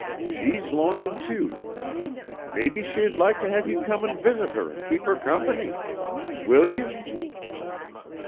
She's lonesome, too. Maybe she'd laik to have you come and visit her and keep her company. Will you?"